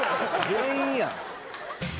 全員やん。